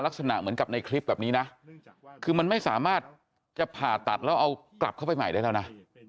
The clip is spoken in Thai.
ลักษณะเหมือนกับในคลิปแบบนี้นะคือมันไม่สามารถจะผ่าตัดแล้วเอากลับเข้าไปใหม่ได้แล้วนะ